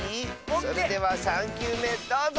それでは３きゅうめどうぞ！